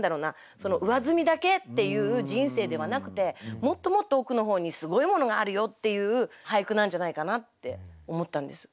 その上澄みだけっていう人生ではなくてもっともっと奥の方にすごいものがあるよっていう俳句なんじゃないかなって思ったんです。